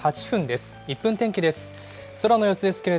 １分天気です。